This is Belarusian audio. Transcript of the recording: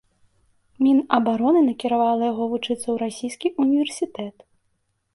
Мінабароны накіравала яго вучыцца ў расійскі ўніверсітэт.